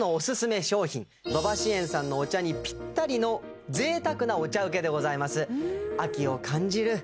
土橋園さんのお茶にピッタリの贅沢なお茶請けでございます